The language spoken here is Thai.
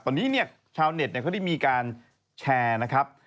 ตอนนี้เนี่ยชาวเน็ตเขาได้มีการแชร์นะครับ